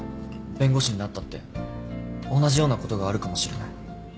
弁護士になったって同じようなことがあるかもしれない。